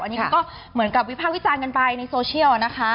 อันนี้เขาก็เหมือนกับวิภาควิจารณ์กันไปในโซเชียลนะคะ